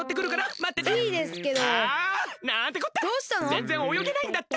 ぜんぜんおよげないんだった。